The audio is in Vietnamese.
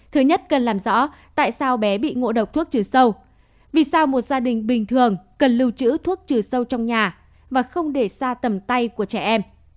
thứ nhất cần làm rõ tại sao bé bị ngộ độc thuốc trừ sâu vì sao một gia đình bình thường cần lưu trữ thuốc trừ sâu trong nhà và không để xa tầm tay của trẻ em